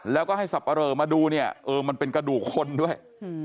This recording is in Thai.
แล้วก็ให้สับปะเรอมาดูเนี่ยเออมันเป็นกระดูกคนด้วย